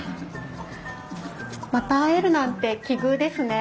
また会えるなんて奇遇ですね。